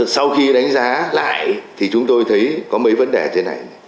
sau khi đánh giá lại thì chúng tôi thấy có mấy vấn đề thế này